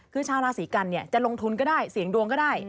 คือชาวราศีกันจะลงทุนก็ได้เสี่ยงดวงก็ได้